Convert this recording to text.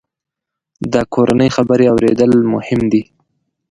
د کورنۍ خبرې اورېدل مهم دي.